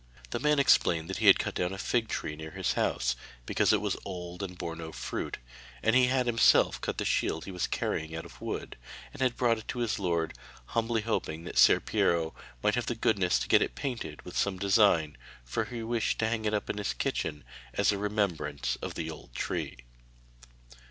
The man explained that he had cut down a fig tree near his house, because it was old and bore no fruit, and had himself cut the shield he was carrying out of the wood, and had brought it to his lord, humbly hoping that Ser Piero might have the goodness to get it painted with some design, for he wished to hang it up in his kitchen, as a remembrance of the old tree.